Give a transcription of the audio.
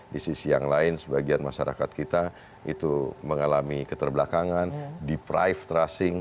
di sisi yang lain sebagian masyarakat kita itu mengalami keterbelakangan